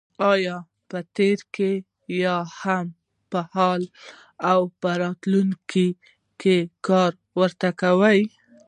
یا په تېر کې یا هم په حال او راتلونکي کې کار ورته کوي.